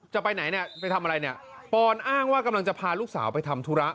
จะไปไหนเนี่ยไปทำอะไรเนี่ยปอนอ้างว่ากำลังจะพาลูกสาวไปทำธุระ